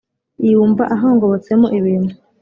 Yumva ahongobotsemo ibintu,